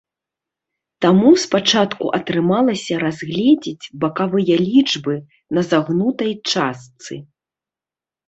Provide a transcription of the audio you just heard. Таму спачатку атрымалася разгледзець бакавыя лічбы на загнутай частцы.